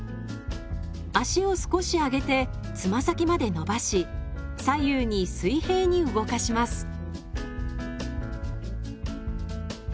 足を少し上げてつま先まで伸ばし左右に水平に動かします。